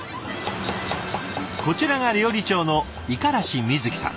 こちらが料理長の五十嵐瑞葵さん。